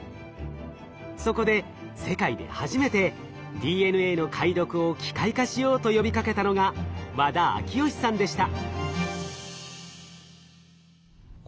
そこで世界で初めてＤＮＡの解読を機械化しようと呼びかけたのが和田昭允さんでした。